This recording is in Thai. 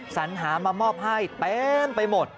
สัญหามามอบให้เต็มไปหมด